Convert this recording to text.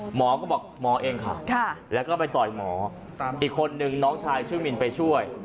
หมอก็บอกหมอเองค่ะแล้วก็ไปต่อยหมออีกคนนึงน้องชายชื่อมินไปช่วย